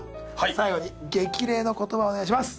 最後に激励の言葉をお願いします